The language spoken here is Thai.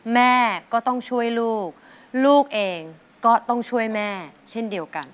แม่ก็ต้องช่วยลูกลูกเองก็ต้องช่วยแม่เช่นเดียวกัน